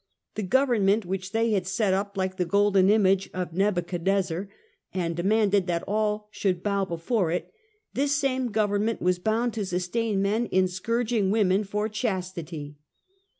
The government which they had set up like the golden image of Nebuchad nezzer, and demanded that all should bow before it, this same government was bound to sustain men in scourging women for chastity.